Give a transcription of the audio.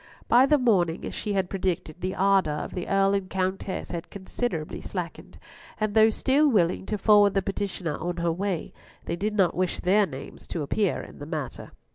By the morning, as she had predicted, the ardour of the Earl and Countess had considerably slackened; and though still willing to forward the petitioner on her way, they did not wish their names to appear in the matter.